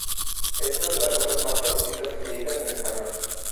Es una de las obras más traducidas y leídas en español.